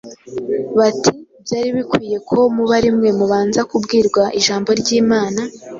bati “Byari bikwiriye ko muba ari mwe mubanza kubwirwa ijambo ry’Imana,